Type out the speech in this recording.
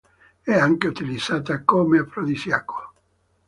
È anche utilizzata come afrodisiaco.